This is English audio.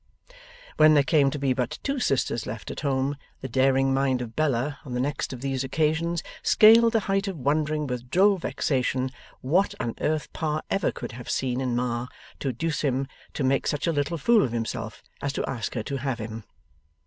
When there came to be but two sisters left at home, the daring mind of Bella on the next of these occasions scaled the height of wondering with droll vexation 'what on earth Pa ever could have seen in Ma, to induce him to make such a little fool of himself as to ask her to have him.